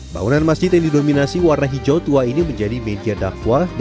bangunan masjid yang didominasi warna hijau tua ini menjadi media dakwah